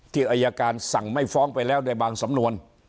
อายการสั่งไม่ฟ้องไปแล้วในบางสำนวน